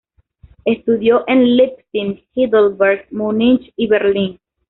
Estudió en Leipzig, Heidelberg, Munich y Berlín.